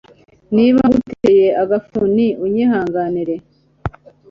niba nguteye agafuni unyihanganire